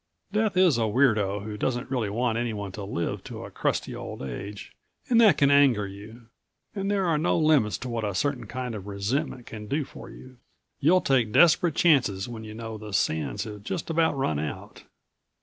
Death is a weird o who doesn't really want anyone to live to a crusty old age and that can anger you, and there are no limits to what a certain kind of resentment can do for you. You'll take desperate chances when you know the sands have just about run out.